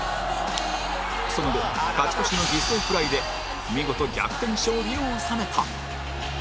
その後勝ち越しの犠牲フライで見事逆転勝利を収めた